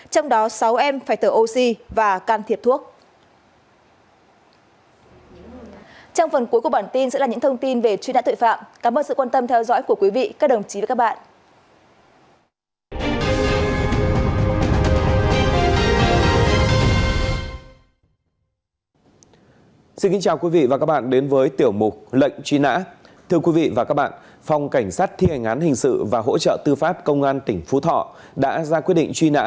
trong đó sáu em phải tờ oxy và can thiệp thuốc